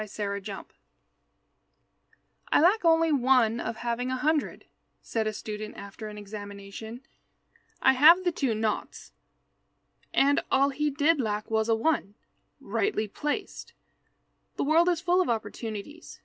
OPPORTUNITY "I lack only one of having a hundred," said a student after an examination; "I have the two naughts." And all he did lack was a one, rightly placed. The world is full of opportunities.